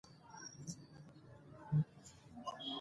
خپل حق وغواړئ.